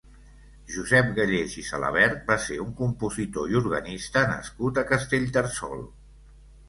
Josep Gallés i Salabert va ser un compositor i organista nascut a Castellterçol.